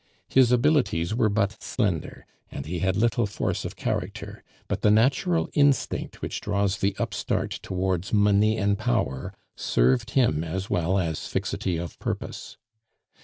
His abilities were but slender, and he had little force of character, but the natural instinct which draws the upstart towards money and power served him as well as fixity of purpose.